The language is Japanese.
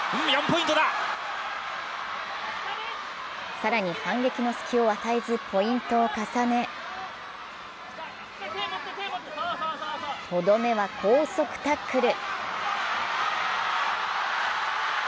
更に反撃の隙を与えずポイントを重ねとどめは高速タックル。